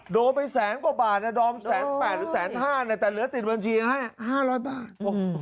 โดดไปแสนกว่าบาทนะดอมแสน๘หรือแสน๕แต่เหลือติดบัญชี๕๐๐บาท